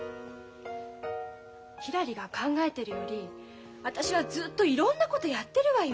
ひらりが考えてるより私はずっといろんなことやってるわよ。